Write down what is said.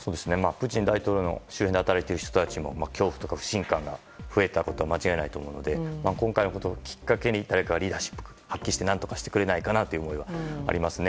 プーチン大統領の周辺で働いている人たちも恐怖とか不信感が増えたことは間違いないと思うので今回のことをきっかけに誰かがリーダーシップを発揮して何とかしてくれないかなという思いはありますよね。